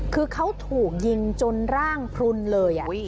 คือเขาถูกยิงจนร่างพลุนเลย